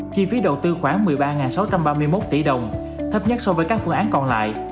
chi phí đầu tư khoảng một mươi ba sáu trăm ba mươi một tỷ đồng thấp nhất so với các phương án còn lại